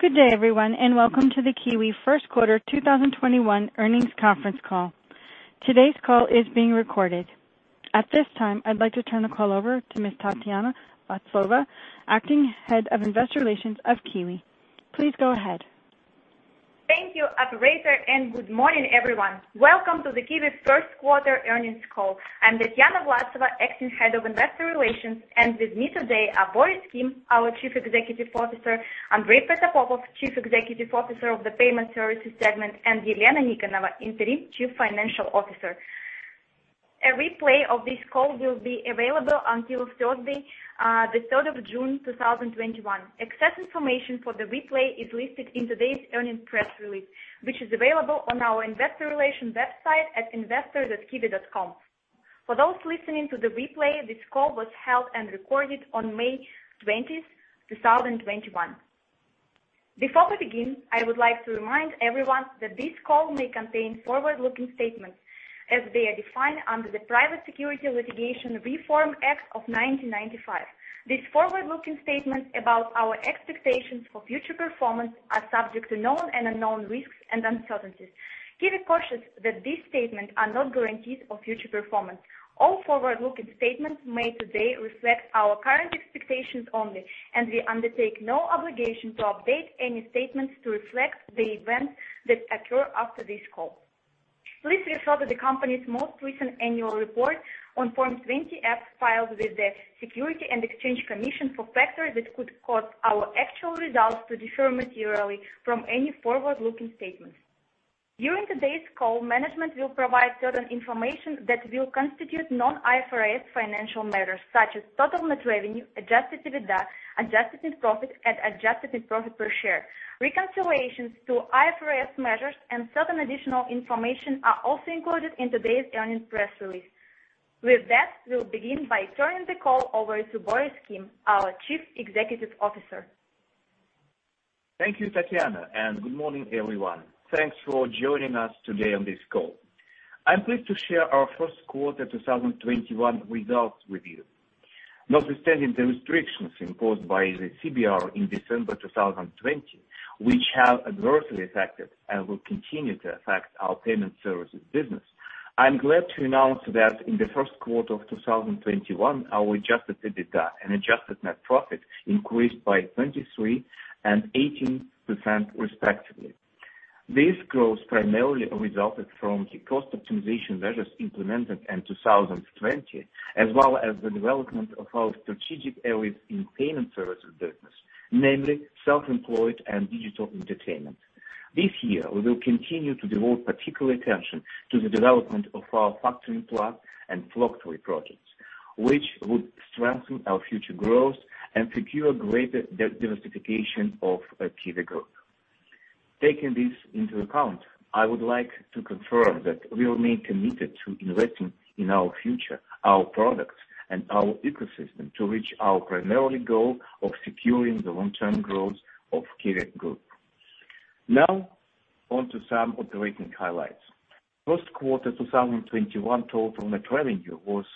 Good day everyone, and welcome to the QIWI first quarter 2021 earnings conference call. Today's call is being recorded. At this time, I'd like to turn the call over to Ms. Tatiana Vlasova, Acting Head of Investor Relations of QIWI. Please go ahead. Thank you, operator, and good morning, everyone. Welcome to the QIWI first quarter earnings call. I'm Tatiana Vlasova, Acting Head of Investor Relations, and with me today are Boris Kim, our Chief Executive Officer, Andrey Protopopov, Chief Executive Officer of the Payment Services Segment, and Elena Nikonova, Interim Chief Financial Officer. A replay of this call will be available until Thursday, the 3rd of June, 2021. Access information for the replay is listed in today's earnings press release, which is available on our investor relations website at investor.qiwi.com. For those listening to the replay, this call was held and recorded on May 20th, 2021. Before we begin, I would like to remind everyone that this call may contain forward-looking statements as they are defined under the Private Securities Litigation Reform Act of 1995. These forward-looking statements about our expectations for future performance are subject to known and unknown risks and uncertainties. QIWI cautions that these statements are not guarantees of future performance. All forward-looking statements made today reflect our current expectations only, and we undertake no obligation to update any statements to reflect the events that occur after this call. Please refer to the company's most recent annual report on Form 20-F filed with the Securities and Exchange Commission for factors that could cause our actual results to differ materially from any forward-looking statements. During today's call, management will provide certain information that will constitute non-IFRS financial measures, such as total net revenue, adjusted EBITDA, adjusted net profit, and adjusted net profit per share. Reconciliations to IFRS measures and certain additional information are also included in today's earnings press release. With that, we'll begin by turning the call over to Boris Kim, our Chief Executive Officer. Thank you, Tatiana, and good morning, everyone. Thanks for joining us today on this call. I am pleased to share our first quarter 2021 results with you. Notwithstanding the restrictions imposed by the CBR in December 2020, which have adversely affected and will continue to affect our payment services business, I am glad to announce that in the first quarter of 2021, our adjusted EBITDA and adjusted net profit increased by 23% and 18% respectively. This growth primarily resulted from the cost optimization measures implemented in 2020, as well as the development of our strategic areas in payment services business, namely self-employed and digital entertainment. This year, we will continue to devote particular attention to the development of our Factoring PLUS and Flocktory projects, which would strengthen our future growth and secure greater diversification of QIWI Group. Taking this into account, I would like to confirm that we remain committed to investing in our future, our products, and our ecosystem to reach our primary goal of securing the long-term growth of QIWI Group. Now, on to some operating highlights. First quarter 2021 total net revenue was 5.2 billion rubles.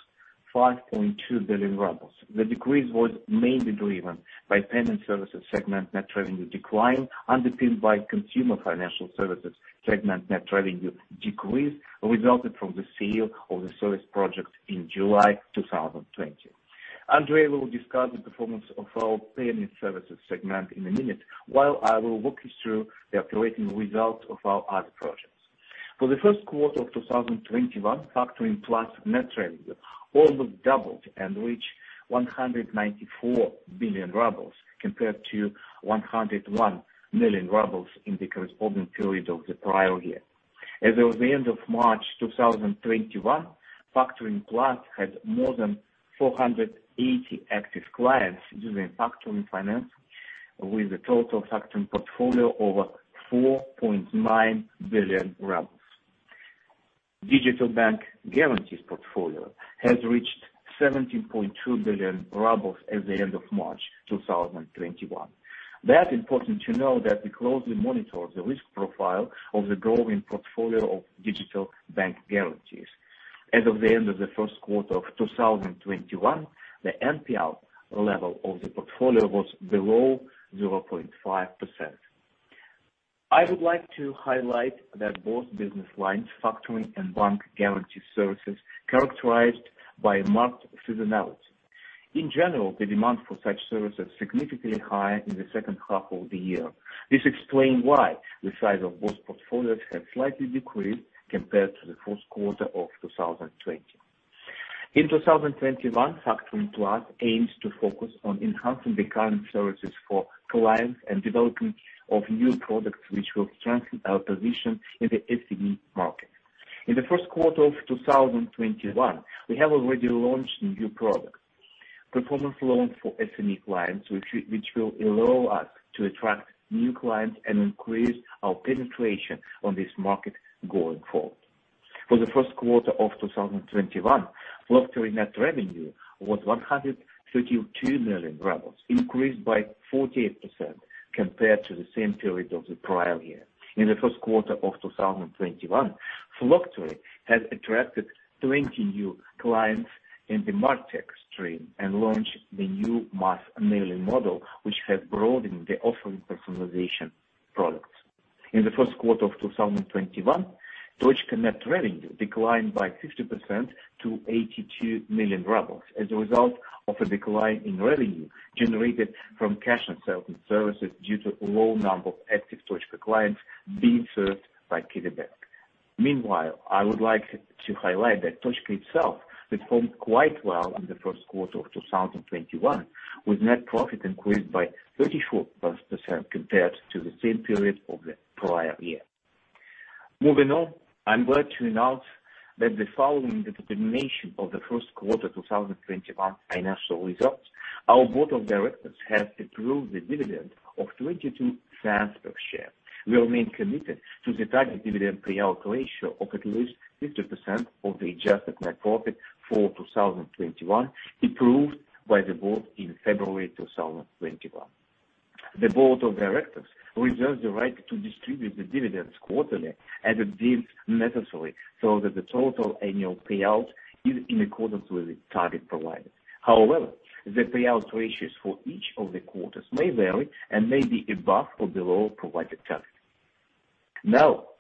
The decrease was mainly driven by Payment Services Segment net revenue decline, underpinned by Consumer Financial Services Segment net revenue decrease, resulted from the sale of the Sovest project in July 2020. Andrey will discuss the performance of our Payment Services Segment in a minute, while I will walk you through the operating results of our other projects. For the first quarter of 2021, Factoring PLUS net revenue almost doubled and reached 194 million rubles compared to 101 million rubles in the corresponding period of the prior year. As of the end of March 2021, Factoring PLUS had more than 480 active clients using factoring financing, with a total factoring portfolio over 4.9 billion rubles. Digital bank guarantees portfolio has reached 17.2 billion rubles as of the end of March 2021. That's important to know that we closely monitor the risk profile of the growing portfolio of digital bank guarantees. As of the end of the first quarter of 2021, the NPL level of the portfolio was below 0.5%. I would like to highlight that both business lines, factoring and bank guarantee services, characterized by marked seasonality. In general, the demand for such services is significantly higher in the second half of the year. This explains why the size of both portfolios have slightly decreased compared to the first quarter of 2020. In 2021, Factoring PLUS aims to focus on enhancing the current services for clients and development of new products which will strengthen our position in the SME market. In the first quarter of 2021, we have already launched a new product, performance loans for SME clients, which will allow us to attract new clients and increase our penetration on this market going forward. For the first quarter of 2021, Flocktory net revenue was 132 million rubles, increased by 48% compared to the same period of the prior year. In the first quarter of 2021, Flocktory has attracted 20 new clients in the MarTech stream and launched the new mass mailing model, which has broadened the offering personalization products. In the first quarter of 2021, Tochka net revenue declined by 60% to 82 million rubles as a result of a decline in revenue generated from cash on certain services due to low number of active Tochka clients being served by QIWI Bank. Meanwhile, I would like to highlight that Tochka itself performed quite well in the first quarter of 2021, with net profit increased by 34% compared to the same period of the prior year. Moving on, I'm glad to announce that following the determination of the first quarter 2021 financial results, our board of directors has approved the dividend of $0.22 per share. We remain committed to the target dividend payout ratio of at least 50% of the adjusted net profit for 2021, approved by the board in February 2021. The board of directors reserves the right to distribute the dividends quarterly as it deems necessary, so that the total annual payout is in accordance with the target provided. The payout ratios for each of the quarters may vary and may be above or below provided targets.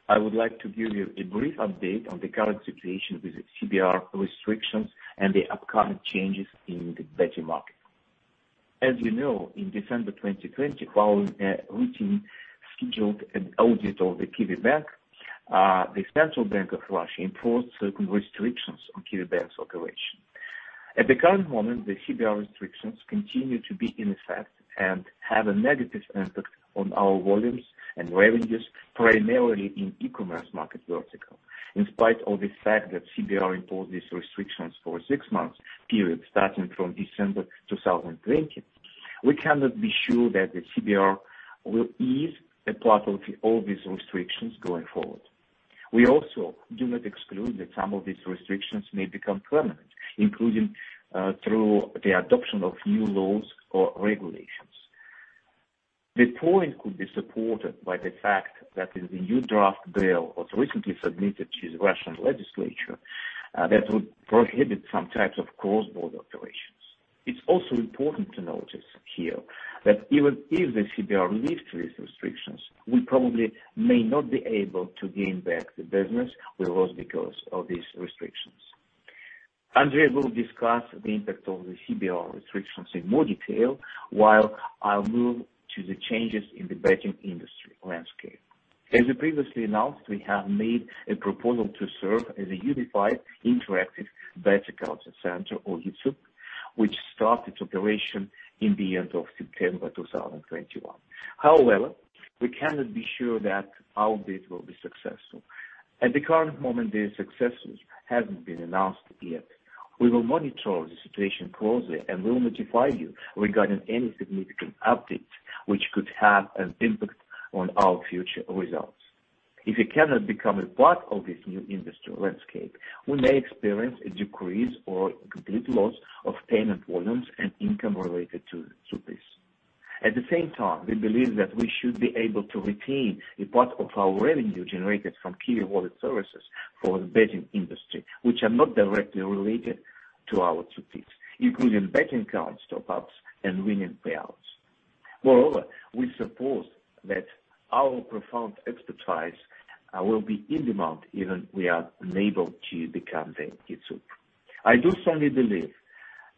I would like to give you a brief update on the current situation with the CBR restrictions and the upcoming changes in the betting market. As you know, in December 2020, following a routine scheduled audit of the QIWI Bank, the Central Bank of Russia imposed certain restrictions on QIWI Bank's operation. At the current moment, the CBR restrictions continue to be in effect and have a negative impact on our volumes and revenues, primarily in e-commerce market vertical. In spite of the fact that CBR imposed these restrictions for a six-month period starting from December 2020, we cannot be sure that the CBR will ease a part of all these restrictions going forward. We also do not exclude that some of these restrictions may become permanent, including through the adoption of new laws or regulations. The point could be supported by the fact that in the new draft bill was recently submitted to the Russian legislature that would prohibit some types of cross-border operations. It is also important to notice here that even if the CBR lifts these restrictions, we probably may not be able to gain back the business we lost because of these restrictions. Andrey will discuss the impact of the CBR restrictions in more detail while I move to the changes in the betting industry landscape. As we previously announced, we have made a proposal to serve as a unified interactive betting account center, or TSUPIS, which started operation in the end of September 2021. However, we cannot be sure that our bid will be successful. At the current moment, the successes haven't been announced yet. We will monitor the situation closely and will notify you regarding any significant updates which could have an impact on our future results. If we cannot become a part of this new industry landscape, we may experience a decrease or complete loss of payment volumes and income related to this. At the same time, we believe that we should be able to retain a part of our revenue generated from QIWI Wallet services for the betting industry, which are not directly related to our TSUPIS, including betting account top-ups and winning payouts. Moreover, we suppose that our profound expertise will be in demand even if we are unable to become the TSUPIS. I do firmly believe,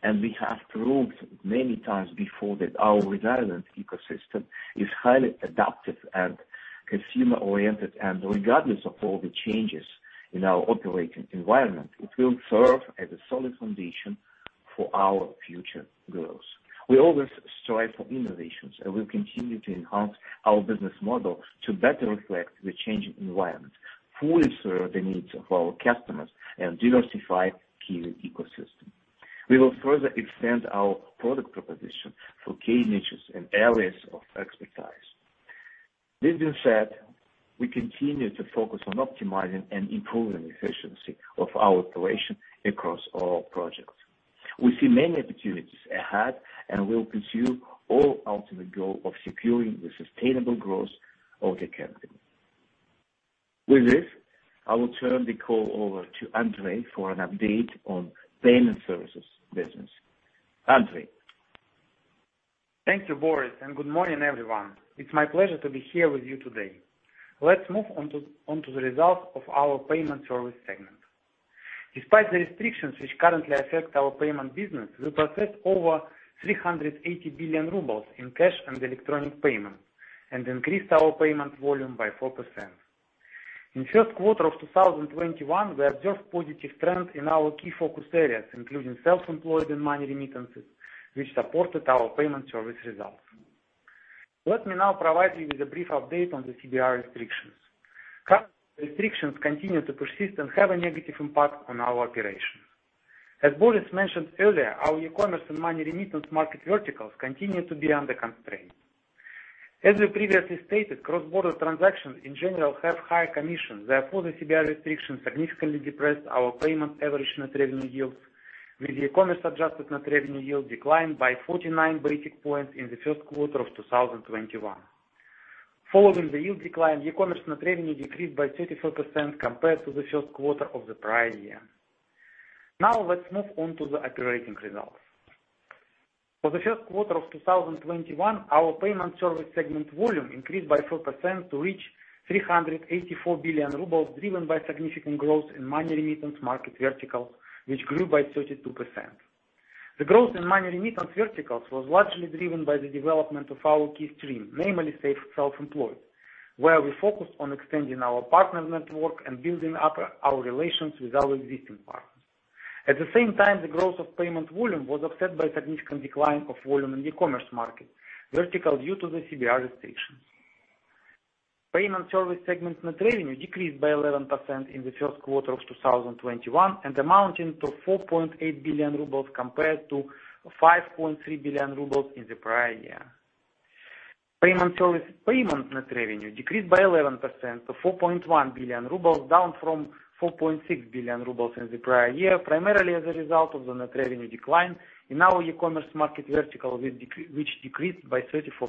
and we have proved many times before, that our resilient ecosystem is highly adaptive and consumer-oriented, and regardless of all the changes in our operating environment, it will serve as a solid foundation for our future growth. We always strive for innovations and will continue to enhance our business model to better reflect the changing environment, fully serve the needs of our customers, and diversify QIWI ecosystem. We will further extend our product proposition for key niches and areas of expertise. This being said, we continue to focus on optimizing and improving efficiency of our operations across all projects. We see many opportunities ahead and will pursue our ultimate goal of securing the sustainable growth of the company. With this, I will turn the call over to Andrey for an update on Payment Services business. Andrey? Thank you, Boris, and good morning, everyone. It's my pleasure to be here with you today. Let's move on to the results of our payment service segment. Despite the restrictions which currently affect our payment business, we processed over 380 billion rubles in cash and electronic payments and increased our payment volume by 4%. In first quarter of 2021, we observed positive trends in our key focus areas, including self-employed and money remittances, which supported our payment service results. Let me now provide you with a brief update on the CBR restrictions. Current restrictions continue to persist and have a negative impact on our operations. As Boris mentioned earlier, our e-commerce and money remittance market verticals continue to be under constraint. As we previously stated, cross-border transactions in general have high commissions. Therefore, the CBR restrictions have significantly depressed our payment average net revenue yields, with the e-commerce adjusted net revenue yield declined by 49 basis points in the first quarter of 2021. Following the yield decline, e-commerce net revenue decreased by 34% compared to the first quarter of the prior year. Now, let's move on to the operating results. For the first quarter of 2021, our Payment Services Segment volume increased by 4% to reach 384 billion rubles, driven by significant growth in money remittance market vertical, which grew by 32%. The growth in money remittance verticals was largely driven by the development of our key stream, namely self-employed, where we focused on extending our partners network and building up our relations with our existing partners. At the same time, the growth of payment volume was offset by a significant decline of volume in the commerce market vertical due to the CBR restrictions. Payment service segment net revenue decreased by 11% in the first quarter of 2021, amounting to 4.8 billion rubles compared to 5.3 billion rubles in the prior year. Payment net revenue decreased by 11% to 4.1 billion rubles, down from 4.6 billion rubles in the prior year, primarily as a result of the net revenue decline in our e-commerce market vertical which decreased by 34%.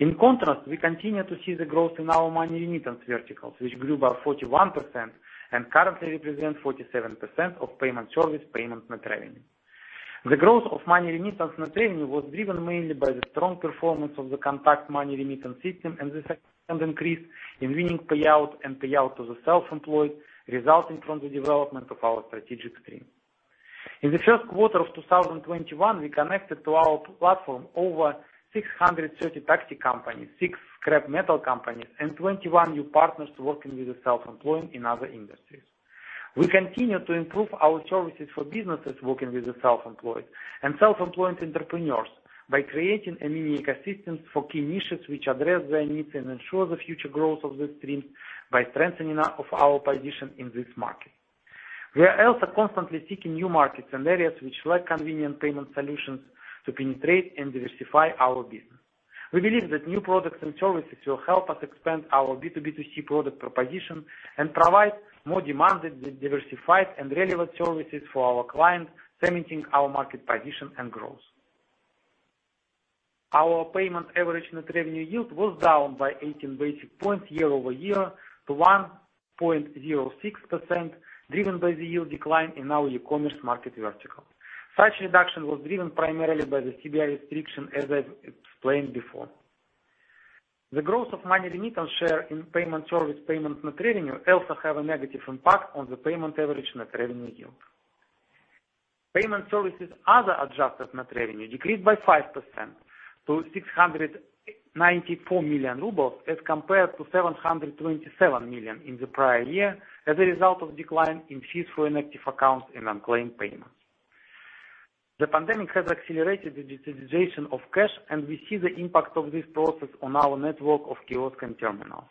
In contrast, we continue to see the growth in our money remittance verticals, which grew by 41% and currently represent 47% of payment service payment net revenue. The growth of money remittance net revenue was driven mainly by the strong performance of the CONTACT money remittance system and the in winning payout and payout to the self-employed, resulting from the development of our strategic stream. In the first quarter of 2021, we connected to our platform over 630 taxi companies, six scrap metal companies, and 21 new partners working with the self-employed in other industries. We continue to improve our services for businesses working with the self-employed and self-employed entrepreneurs by creating a mini ecosystem for key niches which address their needs and ensure the future growth of this stream by strengthening of our position in this market. We are also constantly seeking new markets and areas which lack convenient payment solutions to penetrate and diversify our business. We believe that new products and services will help us expand our B2B2C product proposition and provide more demanded, diversified, and relevant services for our clients, cementing our market position and growth. Our payment average net revenue yield was down by 18 basis points year-over-year to 1.06%, driven by the yield decline in our e-commerce market vertical. Such reduction was driven primarily by the CBR restriction, as I explained before. The growth of money remittance share in payment service payment net revenue also have a negative impact on the payment average net revenue yield. Payment services other adjusted net revenue decreased by 5% to 694 million rubles as compared to 727 million in the prior year as a result of decline in fees for inactive accounts and unclaimed payments. The pandemic has accelerated the digitalization of cash, and we see the impact of this process on our network of kiosks and terminals.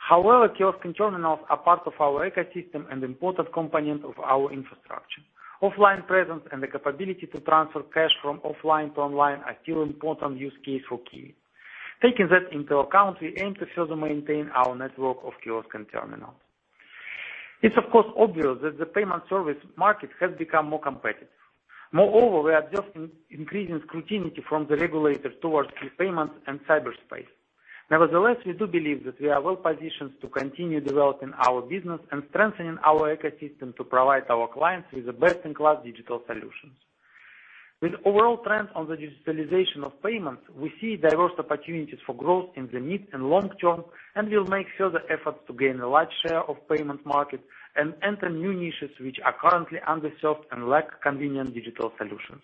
However, kiosks and terminals are part of our ecosystem and important component of our infrastructure. Offline presence and the capability to transfer cash from offline to online are still important use case for QIWI. Taking that into account, we aim to further maintain our network of kiosks and terminals. It's of course obvious that the payment service market has become more competitive. Moreover, we are observing increasing scrutiny from the regulators towards free payments and cyberspace. Nevertheless, we do believe that we are well-positioned to continue developing our business and strengthening our ecosystem to provide our clients with the best-in-class digital solutions. With overall trends on the digitalization of payments, we see diverse opportunities for growth in the mid and long term. We'll make further efforts to gain a large share of payment market and enter new niches which are currently underserved and lack convenient digital solutions.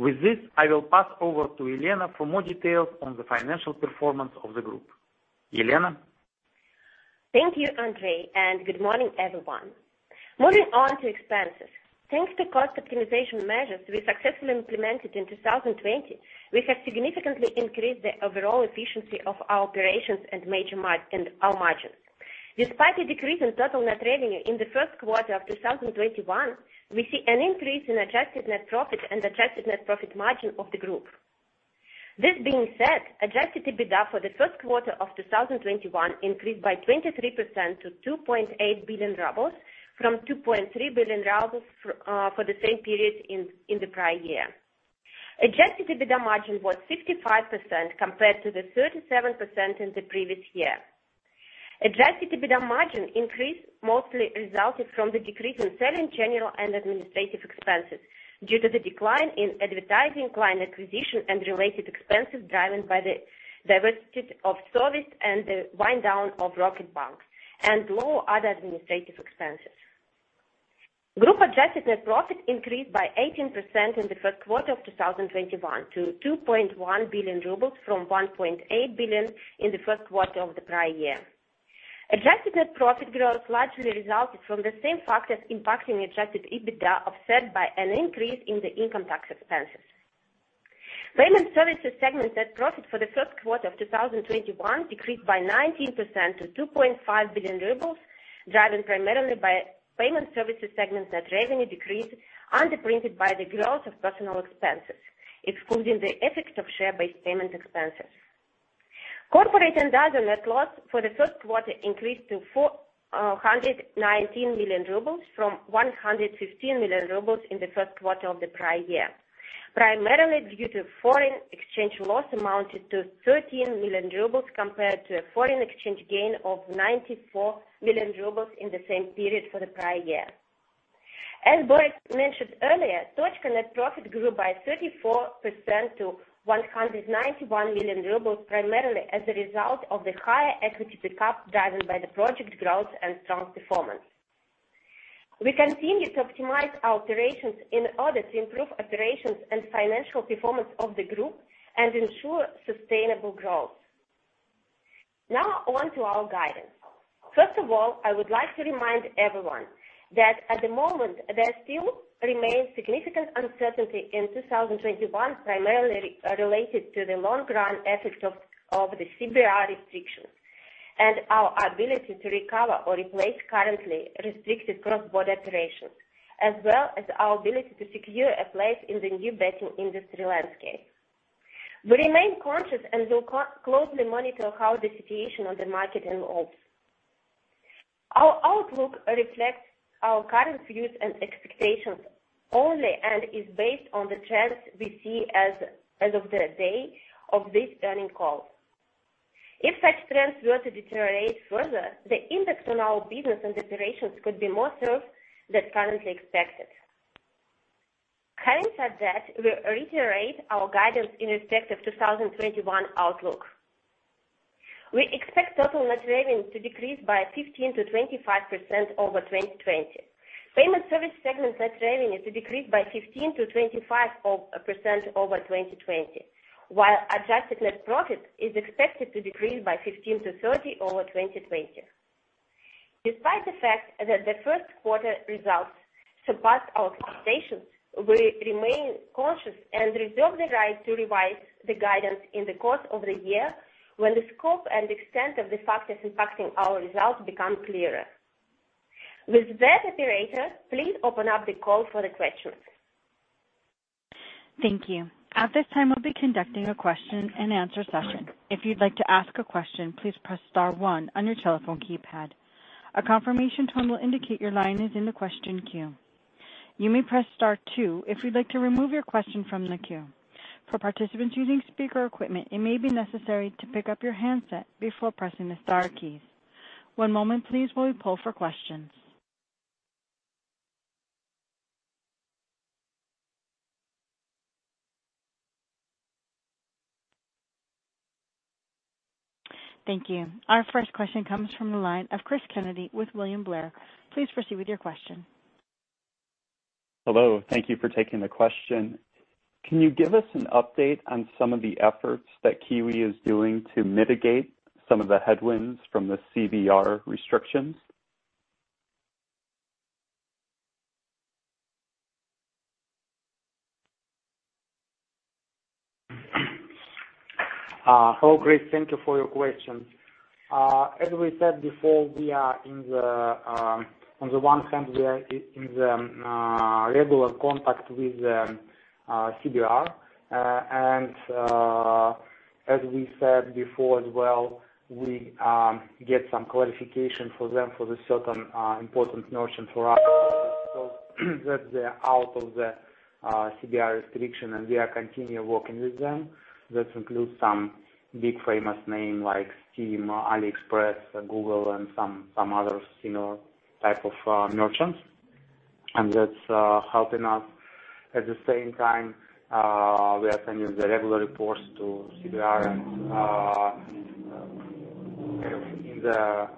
With this, I will pass over to Elena for more details on the financial performance of the group. Elena? Thank you, Andrey, and good morning, everyone. Moving on to expenses. Thanks to cost optimization measures we successfully implemented in 2020, we have significantly increased the overall efficiency of our operations and our margins. Despite a decrease in total net revenue in the first quarter of 2021, we see an increase in adjusted net profit and adjusted net profit margin of the group. This being said, adjusted EBITDA for the first quarter of 2021 increased by 23% to 2.8 billion rubles from 2.3 billion rubles for the same period in the prior year. Adjusted EBITDA margin was 65% compared to the 37% in the previous year. Adjusted EBITDA margin increase mostly resulted from the decrease in selling, general, and administrative expenses due to the decline in advertising, client acquisition, and related expenses driven by the diversity of service and the wind down of Rocketbank and lower other administrative expenses. Group adjusted net profit increased by 18% in the first quarter of 2021 to 2.1 billion rubles from 1.8 billion in the first quarter of the prior year. Adjusted net profit growth largely resulted from the same factors impacting adjusted EBITDA, offset by an increase in the income tax expenses. Payment Services Segment net profit for the first quarter of 2021 decreased by 19% to 2.5 billion rubles, driven primarily by Payment Services Segment net revenue decrease underprinted by the growth of personal expenses, excluding the effect of share-based payment expenses. Corporate and other net loss for the first quarter increased to 419 million rubles from 115 million rubles in the first quarter of the prior year, primarily due to foreign exchange loss amounted to 13 million rubles compared to a foreign exchange gain of 94 million rubles in the same period for the prior year. As Boris mentioned earlier, CONTACT profit grew by 34% to 191 million rubles, primarily as a result of the higher equity pickup driven by the project growth and strong performance. We continue to optimize our operations in order to improve operations and financial performance of the Group and ensure sustainable growth. On to our guidance. First of all, I would like to remind everyone that at the moment there still remains significant uncertainty in 2021, primarily related to the long run effects of the CBR restrictions and our ability to recover or replace currently restricted cross-border operations, as well as our ability to secure a place in the new betting industry landscape. We remain conscious and will closely monitor how the situation on the market evolves. Our outlook reflects our current views and expectations only and is based on the trends we see as of the day of this earning call. If such trends were to deteriorate further, the impact on our business and operations could be more severe than currently expected. Having said that, we reiterate our guidance in respect of 2021 outlook. We expect total net revenue to decrease by 15%-25% over 2020. Payment Services Segment net revenue is decreased by 15%-25% over 2020, while adjusted net profit is expected to decrease by 15%-30% over 2020. Despite the fact that the first quarter results surpassed our expectations, we remain cautious and reserve the right to revise the guidance in the course of the year when the scope and extent of the factors impacting our results become clearer. With that, operator, please open up the call for the questions. Our first question comes from the line of Cristopher Kennedy with William Blair. Please proceed with your question. Hello. Thank you for taking the question. Can you give us an update on some of the efforts that QIWI is doing to mitigate some of the headwinds from the CBR restrictions? Hello, Chris. Thank you for your question. As we said before, on the one hand, we are in regular contact with CBR. As we said before as well, we get some clarification for them for the certain important merchants for us so that they're out of the CBR restriction, and we are continue working with them. That includes some big famous name like Steam, AliExpress, Google, and some other type of merchants. That's helping us. At the same time, we are sending the regular reports to CBR and in the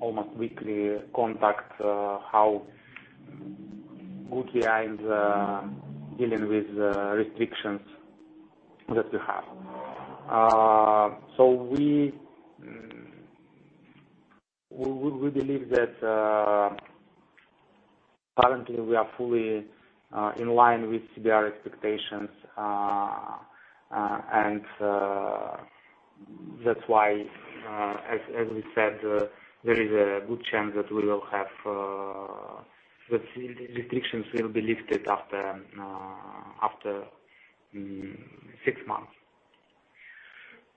almost weekly contact how good we are in dealing with restrictions that we have. We believe that currently we are fully in line with CBR expectations, That's why, as we said, there is a good chance that restrictions will be lifted after six months.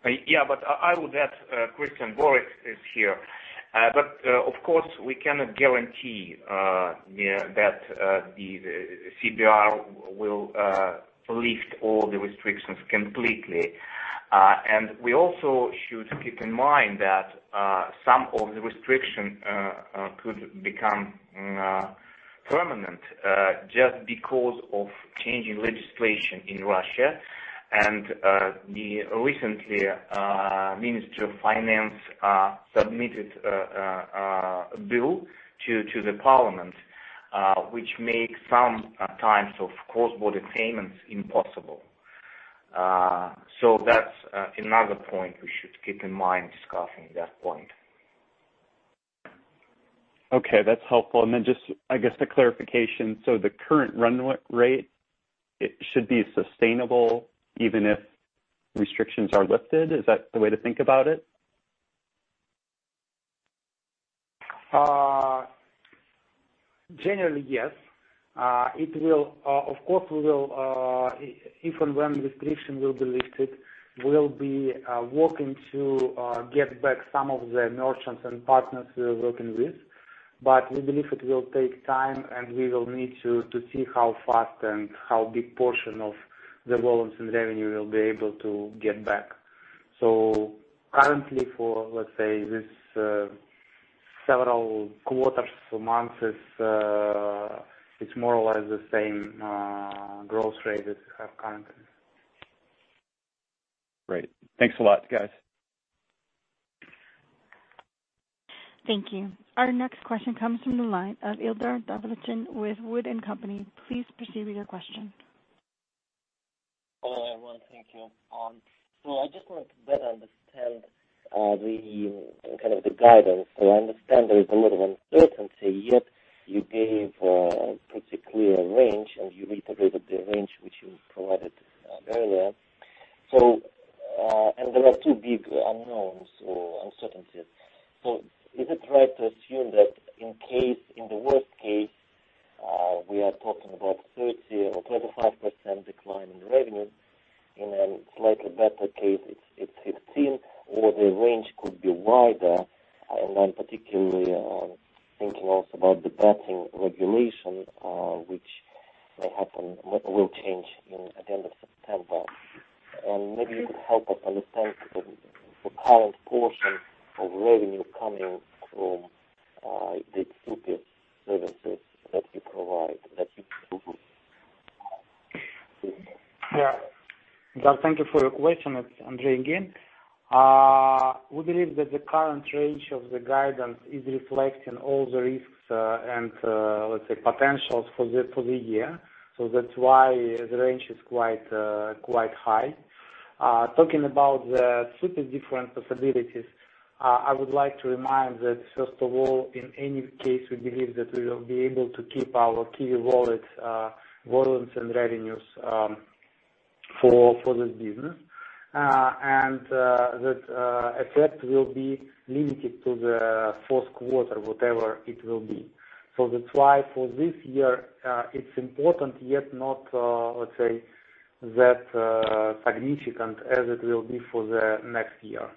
I would add, Chris, and Boris is here, of course, we cannot guarantee that the CBR will lift all the restrictions completely. We also should keep in mind that some of the restriction could become permanent, just because of changing legislation in Russia. The recently Ministry of Finance submitted a bill to the parliament, which makes some types of cross-border payments impossible. That's another point we should keep in mind discussing that point. Okay, that's helpful. Just I guess the clarification, the current run rate, it should be sustainable even if restrictions are lifted? Is that the way to think about it? Generally, yes. Of course, if and when restriction will be lifted, we'll be working to get back some of the merchants and partners we were working with. We believe it will take time, and we will need to see how fast and how big portion of the volumes and revenue we'll be able to get back. Currently for, let's say, this several quarters or months, it's more or less the same growth rate as we have currently. Great. Thanks a lot, guys. Thank you. Our next question comes from the line of Ildar Davletshin with WOOD & Company. Please proceed with your question. Hello, everyone. Thank you. I just want to better understand the guidance. I understand there is a lot of uncertainty, yet you gave a pretty clear range, and you reiterated the range which you provided earlier. There are two big unknowns or uncertainties. Is it right to assume that in the worst case, we are talking about 30% or 25% decline in revenue? In a slightly better case, it's 15%, or the range could be wider. I'm particularly thinking also about the betting regulation, which will change at the end of September. Maybe you could help us understand the current portion of revenue coming from the TsUPIS services that you provide, that you do. Yeah. Ildar, thank you for your question. It's Andrey again. We believe that the current range of the guidance is reflecting all the risks and, let's say, potentials for the year. That's why the range is quite high. Talking about the TsUPIS different possibilities, I would like to remind that first of all, in any case, we believe that we will be able to keep our QIWI Wallets volumes and revenues for this business. That effect will be limited to the fourth quarter, whatever it will be. That's why for this year, it's important, yet not, let's say, that significant as it will be for the next year.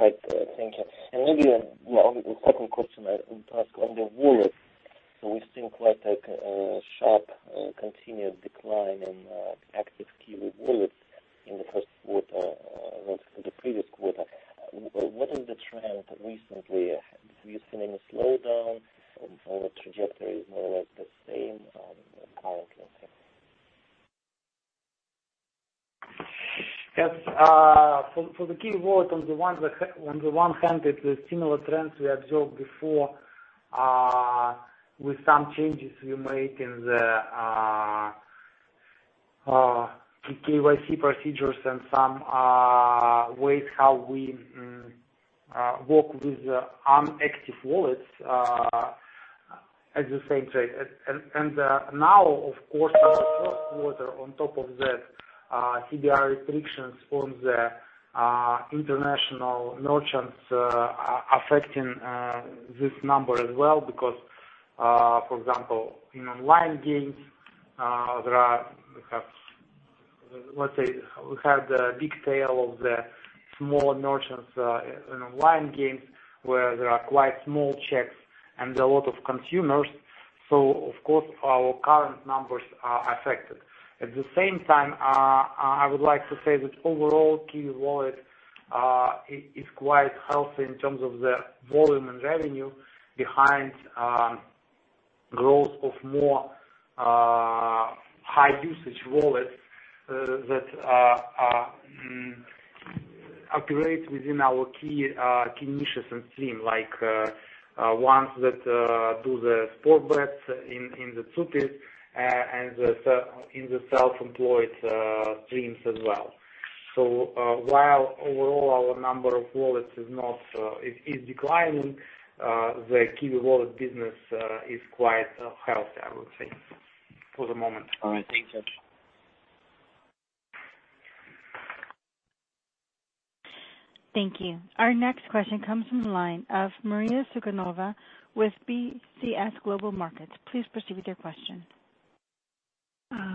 Right. Thank you. Maybe a second question I will ask on the wallet. We've seen quite a sharp continued decline in active QIWI Wallets in the first quarter relative to the previous quarter. What is the trend recently? Do you see any slowdown, or the trajectory is more or less the same currently? For the QIWI Wallet, on the one hand, it's a similar trend we observed before with some changes we made in the KYC procedures and some ways how we work with the unactive wallets at the same rate. Now, of course, in the first quarter, on top of that, CBR restrictions on the international merchants affecting this number as well because, for example, in online games, we had a big tail of the small merchants in online games where there are quite small checks and a lot of consumers. Of course, our current numbers are affected. At the same time, I would like to say that overall QIWI Wallet is quite healthy in terms of the volume and revenue behind growth of more high-usage wallets that operate within our key niches and stream, like ones that do the sports bets in the TsUPIS and in the self-employed streams as well. While overall our number of wallets is declining, the QIWI Wallet business is quite healthy, I would say, for the moment. All right. Thank you. Thank you. Our next question comes from the line of Maria Sukhanova with BCS Global Markets. Please proceed with your question.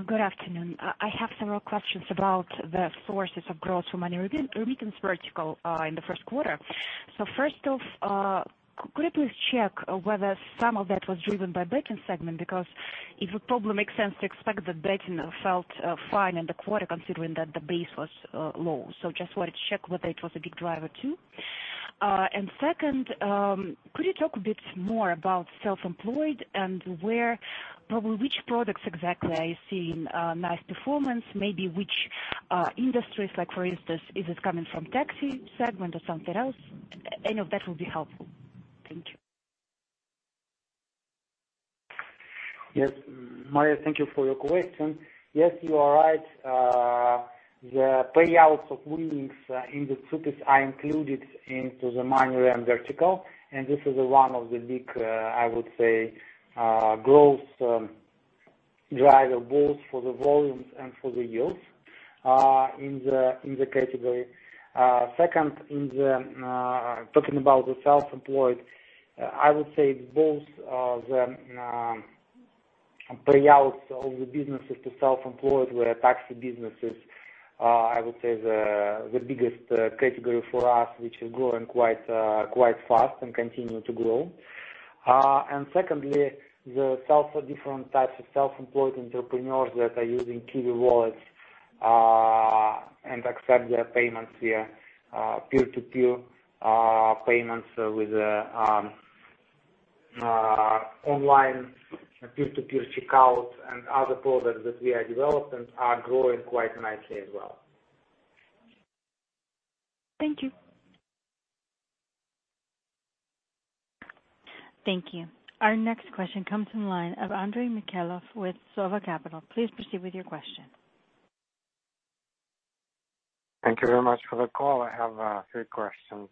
Good afternoon. First off, could you please check whether some of that was driven by betting segment? Because it would probably make sense to expect that betting felt fine in the quarter considering that the base was low. Just wanted to check whether it was a big driver, too. Second, could you talk a bit more about self-employed and probably which products exactly are you seeing nice performance, maybe which industries? For instance, is this coming from taxi segment or something else? Any of that will be helpful. Thank you. Yes. Maria, thank you for your question. Yes, you are right. The payouts of winnings in the TsUPIS are included into the money rem vertical, and this is one of the big, I would say, growth driver, both for the volumes and for the yields in the category. Second, talking about the self-employed, I would say both the payouts of the businesses to self-employed were taxi businesses, I would say the biggest category for us, which is growing quite fast and continue to grow. Yes. Secondly, the different types of self-employed entrepreneurs that are using QIWI wallets and accept their payments via peer-to-peer payments with online peer-to-peer checkouts and other products that we are developing are growing quite nicely as well. Thank you. Thank you. Our next question comes from the line of Andrey Mikhailov with Sova Capital. Please proceed with your question. Thank you very much for the call. I have three questions.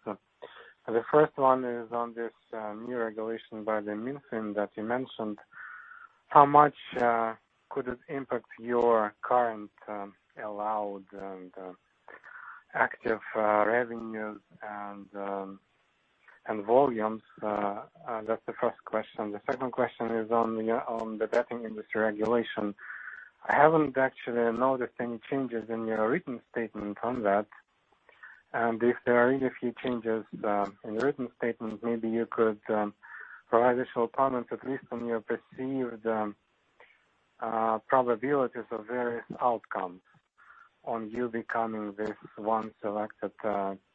The first one is on this new regulation by the MinFin that you mentioned. How much could it impact your current allowed and active revenues and volumes? That's the first question. The second question is on the betting industry regulation. I haven't actually noticed any changes in your written statement on that. If there are any few changes in the written statement, maybe you could provide us your comment, at least on your perceived probabilities of various outcomes on you becoming this one selected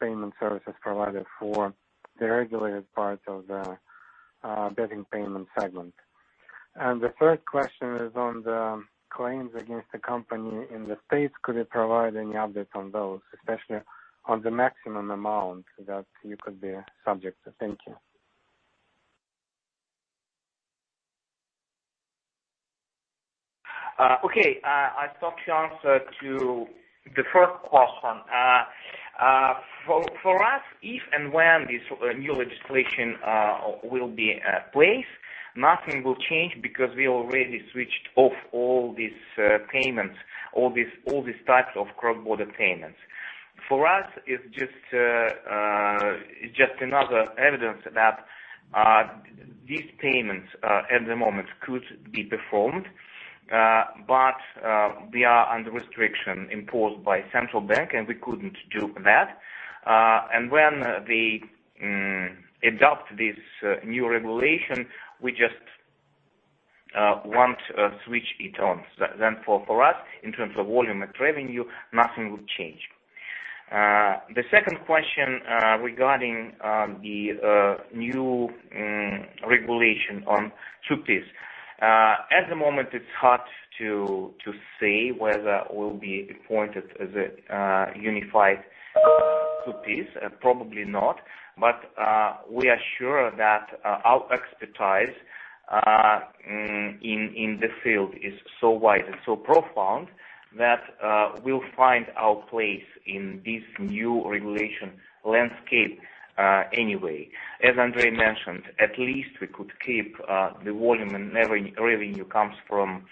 payment services provider for the regulated part of the betting payment segment. The third question is on the claims against the company in the U.S. Could you provide any update on those, especially on the maximum amount that you could be subject to? Thank you. I thought the answer to the first question. For us, if and when this new legislation will be in place, nothing will change because we already switched off all these types of cross-border payments. For us, it's just another evidence that these payments at the moment could be performed. We are under restriction imposed by Central Bank, and we couldn't do that. When they adopt this new regulation, we just once switch it on. For us, in terms of volume and revenue, nothing will change. The second question regarding the new regulation on TsUPIS. At the moment, it's hard to say whether we'll be appointed as a unified TsUPIS, probably not. We are sure that our expertise in the field is so wide and so profound that we'll find our place in this new regulation landscape anyway. As Andrey mentioned, at least we could keep the volume and revenue comes from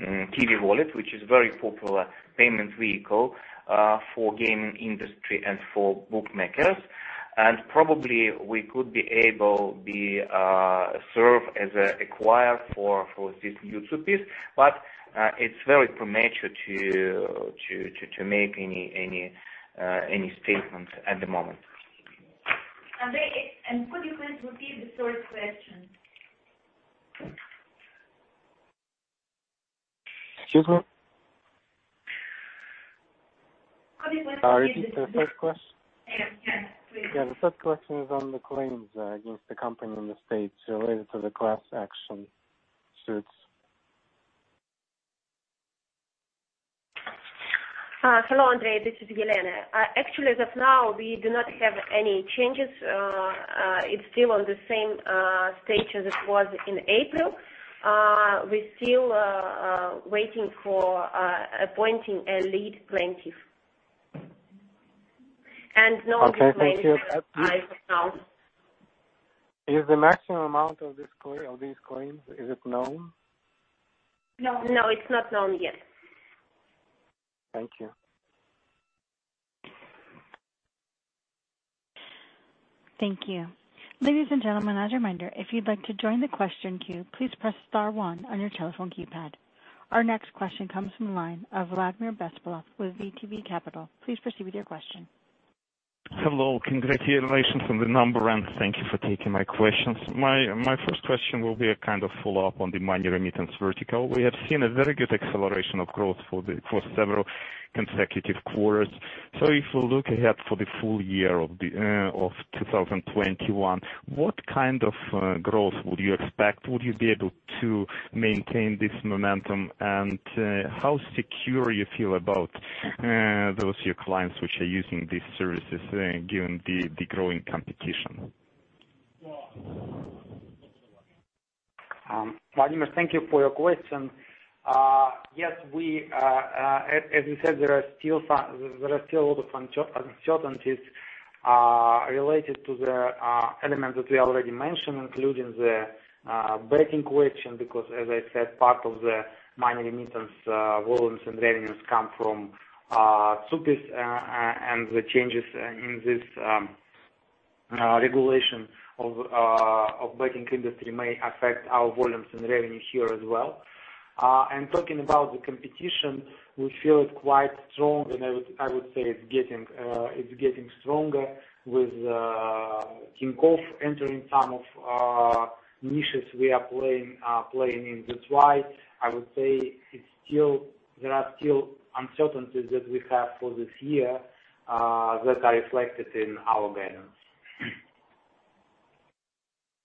QIWI Wallet, which is very popular payment vehicle for gaming industry and for bookmakers. Probably we could be able be served as an acquirer for TsUPIS, it's very premature to make any statements at the moment. Andrey, could you please repeat the third question? Excuse me? Could you please repeat- Sorry, repeat the third question? Yes, please. Yeah. The third question is on the claims against the company in the U.S. related to the class action suits. Hello, Andrey. This is Elena Nikonova. Actually, as of now, we do not have any changes. It's still on the same stage as it was in April. We're still waiting for appointing a lead plaintiff. No claim has been filed. Okay. Thank you. Is the maximum amount of these claims, is it known? No, it's not known yet. Thank you. Thank you. Ladies and gentlemen, as a reminder, if you'd like to join the question queue, please press *1 on your telephone keypad. Our next question comes from the line of Vladimir Bespalov with VTB Capital. Please proceed with your question. Hello. Congratulations on the number, thank you for taking my questions. My first question will be a kind of follow-up on the money remittance vertical. We have seen a very good acceleration of growth for several consecutive quarters. If we look ahead for the full year of 2021, what kind of growth would you expect? Would you be able to maintain this momentum, how secure you feel about those your clients which are using these services given the growing competition? Vladimir, thank you for your question. Yes, as you said, there are still a lot of uncertainties related to the element that we already mentioned, including the betting question, because as I said, part of the money remittance volumes and revenues come from TsUPIS. The changes in this regulation of betting industry may affect our volumes and revenue here as well. Talking about the competition, we feel it quite strong, and I would say it's getting stronger with Tinkoff entering some of niches we are playing in. That's why I would say there are still uncertainties that we have for this year that are reflected in our guidance.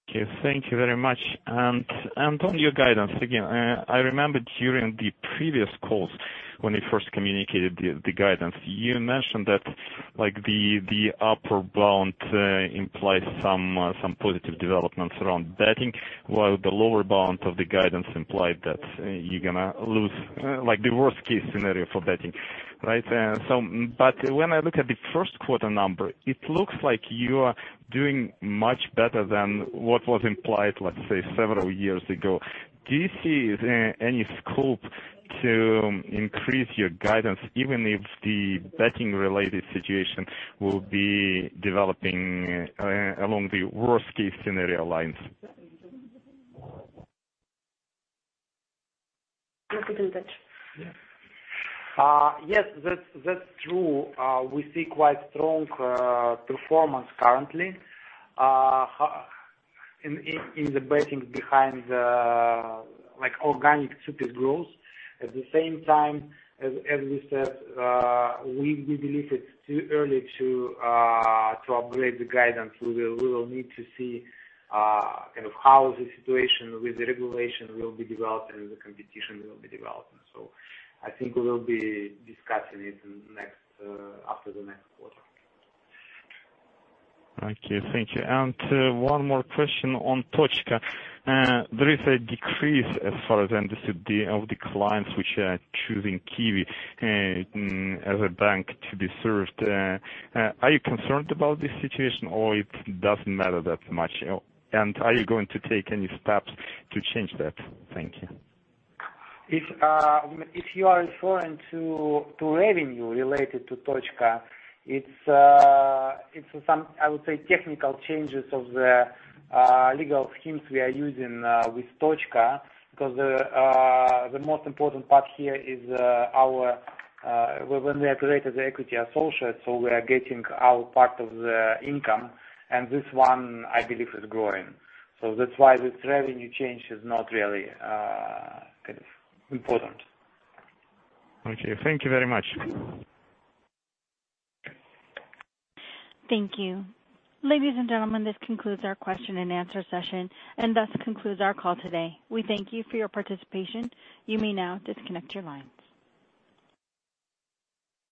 Okay. Thank you very much. On your guidance, again, I remember during the previous calls when you first communicated the guidance, you mentioned that the upper bound implies some positive developments around betting, while the lower bound of the guidance implied that you're going to lose, like the worst-case scenario for betting. Right? When I look at the first quarter number, it looks like you are doing much better than what was implied, let's say, several years ago. Do you see any scope to increase your guidance even if the betting related situation will be developing along the worst-case scenario lines? Yes, that's true. We see quite strong performance currently in the betting behind the organic super growth. At the same time, as you said, we believe it's too early to upgrade the guidance. We will need to see how the situation with the regulation will be developing, and the competition will be developing. I think we'll be discussing it after the next quarter. Okay, thank you. One more question on Tochka. There is a decrease as far as I understood of the clients which are choosing QIWI as a bank to be served. Are you concerned about this situation or it doesn't matter that much? Are you going to take any steps to change that? Thank you. If you are referring to revenue related to Tochka, it's some, I would say, technical changes of the legal schemes we are using with Tochka because the most important part here is when we operate as equity associates, we are getting our part of the income, and this one, I believe, is growing. That's why this revenue change is not really kind of important. Okay. Thank you very much. Thank you. Ladies and gentlemen, this concludes our question and answer session and thus concludes our call today. We thank you for your participation. You may now disconnect your lines.